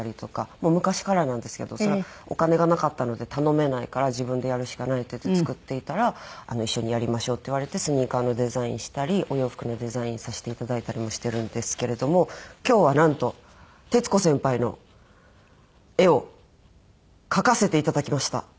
もう昔からなんですけどそれはお金がなかったので頼めないから自分でやるしかないっていって作っていたら一緒にやりましょうって言われてスニーカーのデザインしたりお洋服のデザインさせていただいたりもしてるんですけれども今日はなんと徹子先輩の絵を描かせていただきました。